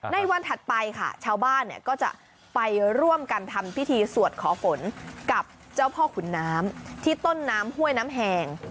ในวันถัดไปค่ะชาวบ้านก็จะไปร่วมกันทำพิธีสวดขอฝนกับเจ้าพ่อขุนน้ำที่ต้นน้ำห้วยน้ำแหง